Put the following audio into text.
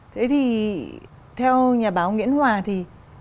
thế thì theo nhà báo nguyễn hòa thì